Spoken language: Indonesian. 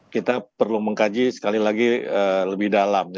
kita perlu mengkaji sekali lagi lebih dalam